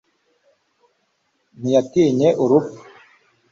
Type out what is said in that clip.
ntiyatinye urupfu